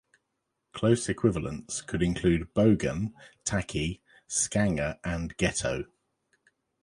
Close equivalents could include bogan, tacky, scanger and ghetto.